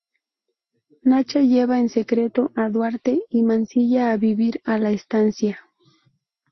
Nacha lleva en secreto a Duarte y Mansilla a vivir a la estancia.